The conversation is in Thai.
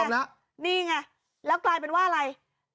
แล้วนี่ไงแล้วกลายเป็นว่าอะไร